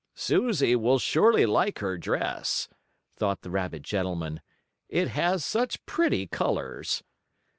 "Susie will surely like her dress," thought the rabbit gentleman. "It has such pretty colors."